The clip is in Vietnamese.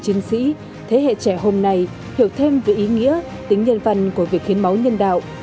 chiến sĩ thế hệ trẻ hôm nay hiểu thêm về ý nghĩa tính nhân văn của việc hiến máu nhân đạo